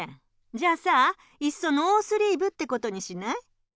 じゃあさいっそノースリーブってことにしない？